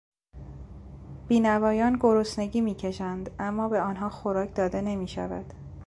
بینوایان گرسنگی میکشند اما به آنها خوراک داده نمیشود.